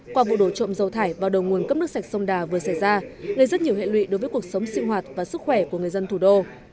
qua vụ đổ trộm dầu thải vào đầu nguồn cấp nước sạch sông đà vừa xảy ra gây rất nhiều hệ lụy đối với cuộc sống sinh hoạt và sức khỏe của người dân thủ đô